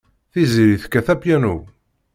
Tiziri tekkat apyanu.